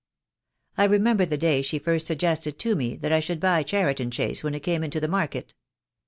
"I remember the day she first suggested to me that I should buy Cheriton Chase when it came into the market.